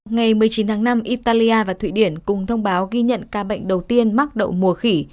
ngày một mươi chín tháng năm italia và thụy điển cùng thông báo ghi nhận ca bệnh đầu tiên mắc đậu mùa khỉ